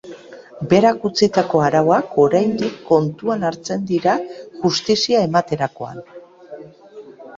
Berak utzitako arauak oraindik kontuan hartzen dira justizia ematerakoan.